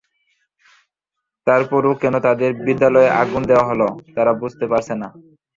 তার পরও কেন তাদের বিদ্যালয়ে আগুন দেওয়া হলো তারা বুঝতে পারছে না।